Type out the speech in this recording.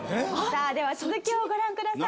では続きをご覧ください。